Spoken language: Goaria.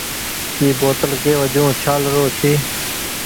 اي بوتل ڪي وجون ڇآل رو ڇي ۔